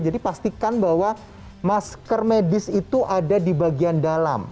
jadi pastikan bahwa masker medis itu ada di bagian dalam